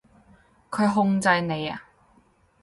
佢控制你呀？